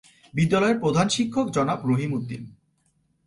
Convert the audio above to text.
বিদ্যালয়ের প্রধান শিক্ষক জনাব রহিম উদ্দিন।